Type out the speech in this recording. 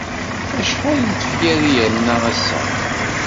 Acḥal n tefyar ay yerna ass-a?